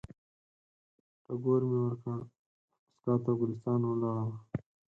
ټکور مې ورکړ، دموسکا تر ګلستان ولاړمه